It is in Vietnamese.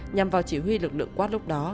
nhằm vào chỉ huy lực lượng quát lúc đó